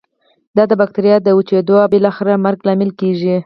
دا د بکټریا د وچیدو او بالاخره مرګ لامل کیږي.